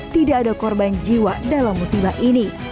tidak ada korban jiwa dalam musibah ini